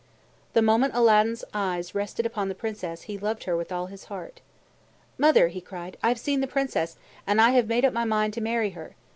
The moment Aladdin's eyes rested upon the Princess, he loved her with all his heart. "Mother," he cried, "I have seen the Princess, and I have made up my mind to marry her.